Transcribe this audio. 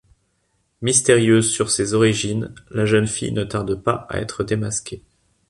Mystérieuse sur ses origines, la jeune fille ne tarde pas à être démasquée.